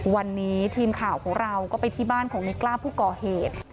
วันนี้ทีมข่าวของเราก็ไปที่บ้านของในกล้าผู้ก่อเหตุ